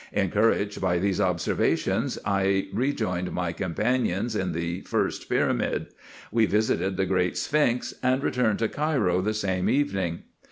Encouraged by these observations, I rejoined my companions in the first pyramid. We visited the great sphinx, and returned to Cairo the same evening.